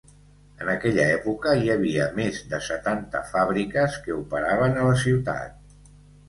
En aquella època hi havia més de setanta fàbriques que operaven a la ciutat.